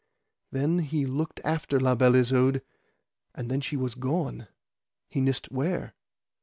Then he looked after La Beale Isoud, and then she was gone he nist where.